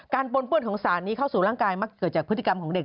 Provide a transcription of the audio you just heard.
ปนเปื้อนของสารนี้เข้าสู่ร่างกายมักเกิดจากพฤติกรรมของเด็ก